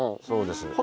そうです。